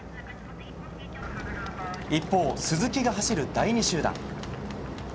一方、鈴木が走る第２集団。